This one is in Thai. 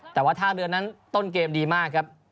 แต่ว่าท่าเรือนั้นต้นเกมดีมากครับ